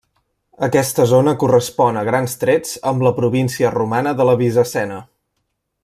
Aquesta zona correspon a grans trets amb la província romana de la Bizacena.